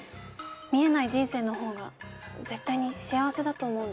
見えない人生の方が絶対に幸せだと思うんです。